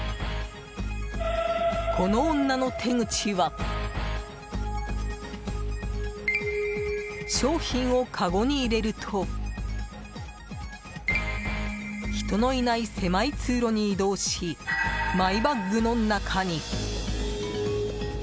この女の手口は商品をかごに入れると人のいない狭い通路に移動しマイバッグの中に。